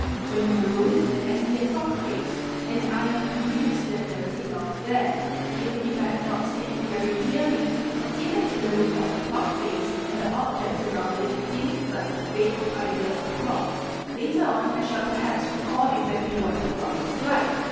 When in a room I see a clock face, I am convinced that there is a clock there, even if I have not seen it very clearly and even if the look of the ' clock face and the objects around it give but a vague idea of the clock; later on I shall perhaps recall exactly what the clock was like.